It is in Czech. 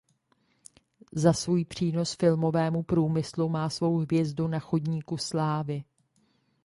Za svůj přínos filmovému průmyslu má svou hvězdu na Chodníku slávy.